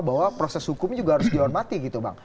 bahwa proses hukum juga harus dihormati gitu bang